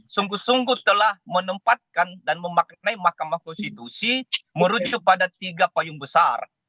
sungguh sungguh telah menempatkan dan memaknai mahkamah konstitusi merujuk pada tiga payung besar